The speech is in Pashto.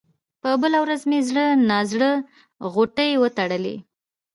په بله ورځ مې زړه نا زړه غوټې وتړلې.